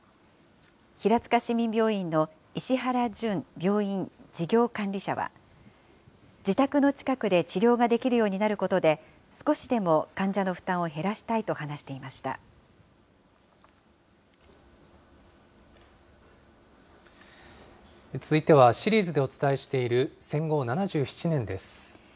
平塚市民病院の石原淳病院事業管理者は、自宅の近くで治療ができるようになることで、少しでも患者の負担を減らしたいと話してい続いては、シリーズでお伝えしている、戦後７７年です。